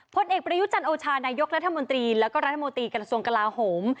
ผลเอกประยุจันโอชานายกรัฐมนตรีแล้วก็รัฐมนตรีกระทรวงกลาโหม